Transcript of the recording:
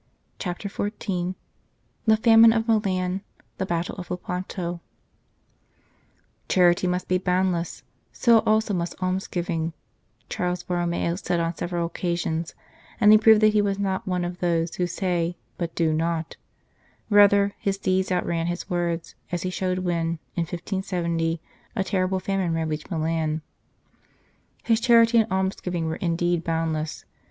CHAPTER XIV THE FAMINE OF MILAN THE BATTLE OF LEPANTO " CHARITY must be boundless, so also must almsgiving," Charles Borromeo said on several occasions, and he proved that he was not one of those who say, but do not ; rather, his deeds outran his words, as he showed when, in 1570, a terrible famine ravaged Milan. His charity and almsgiving were indeed bound less.